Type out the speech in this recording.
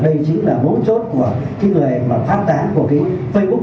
đây chính là mấu chốt của cái người mà phát tán của cái facebook